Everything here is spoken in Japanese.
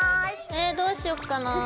えどうしよっかなぁ。